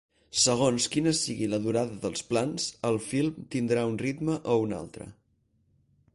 Segons quina sigui la durada dels plans, el film tindrà un ritme o un altre.